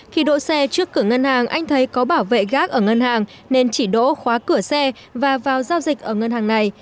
khi đỗ xe trước cửa ngân hàng anh thấy có bảo vệ gác ở ngân hàng nên chỉ đỗ khóa cửa xe và vào giao dịch ở ngân hàng này